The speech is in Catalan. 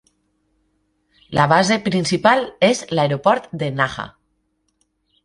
La base principal és l'aeroport de Naha.